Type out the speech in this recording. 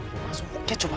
kalau mau masuk oke coba